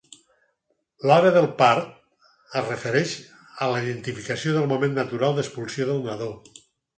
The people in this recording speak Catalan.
L"hora del part es refereix a l"identificació del moment natural d'expulsió del nadó.